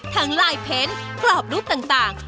ลายเพ้นกรอบรูปต่าง